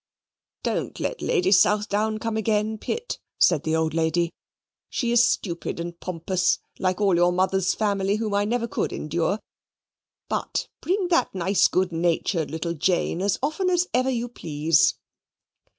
"Don't let Lady Southdown come again, Pitt," said the old lady. "She is stupid and pompous, like all your mother's family, whom I never could endure. But bring that nice good natured little Jane as often as ever you please."